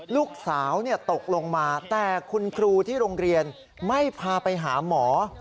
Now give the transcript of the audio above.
ลูกสาวตกลงมาแต่คุณครูที่โรงเรียนไม่พาไปหาหมอ